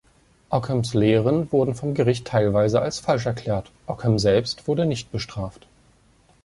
Ockhams Lehren wurden vom Gericht teilweise als falsch erklärt, Ockham selbst wurde nicht bestraft.